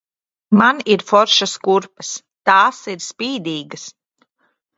Man ir foršās kurpes, tās ir spīdīgas!